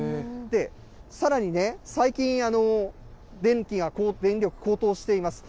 さらにね、最近、電力高騰しています。